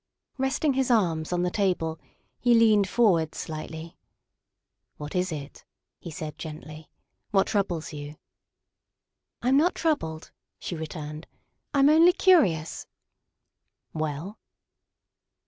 Resting his arms on the table, he leaned forward slightly. " What is it?" he said gently, " what troubles you?" "I'm not troubled," she returned, "I'm only curious. ''" Well?"